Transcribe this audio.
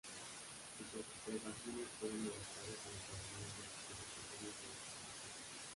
Sus observaciones fueron editadas en los volúmenes de las publicaciones del Observatorio.